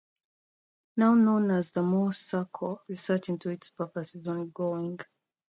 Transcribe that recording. Now known as the Moorehead Circle, research into its purpose is ongoing.